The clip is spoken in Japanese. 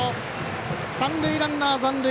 三塁ランナー残塁。